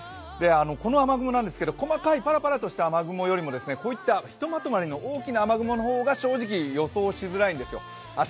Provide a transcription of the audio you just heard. この雨雲なんですけど、細かいパラパラとした雨雲よりも一まとまりの大きな雨雲の方が正直、予報しやすいんですよ。